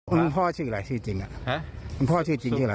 คุณพ่อชื่ออะไรชื่อจริงอ่ะฮะพ่อชื่อจริงชื่ออะไร